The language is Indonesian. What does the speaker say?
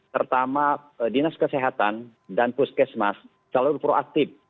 pertama dinas kesehatan dan puskesmas selalu proaktif